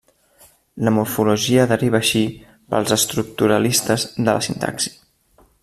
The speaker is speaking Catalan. La morfologia deriva així, per als estructuralistes, de la sintaxi.